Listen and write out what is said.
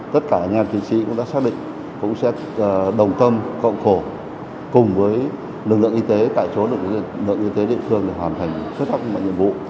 tất cả anh em tiến sĩ cũng đã xác định cũng sẽ đồng tâm cộng khổ cùng với lực lượng y tế tại chỗ lực lượng y tế địa phương để hoàn thành xuất pháp mọi nhiệm vụ